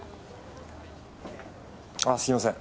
あっすみません。